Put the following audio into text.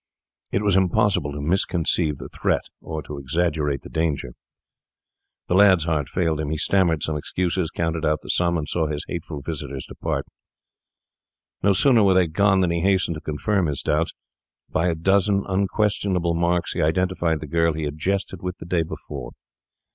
It was impossible to misconceive the threat or to exaggerate the danger. The lad's heart failed him. He stammered some excuses, counted out the sum, and saw his hateful visitors depart. No sooner were they gone than he hastened to confirm his doubts. By a dozen unquestionable marks he identified the girl he had jested with the day before.